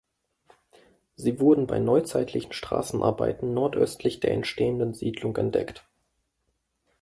Sie wurden bei neuzeitlichen Straßenarbeiten nordöstlich der entstehenden Siedlung entdeckt.